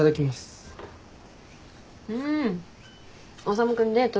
修君デート